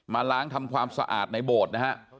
ล้างทำความสะอาดในโบสถ์นะฮะ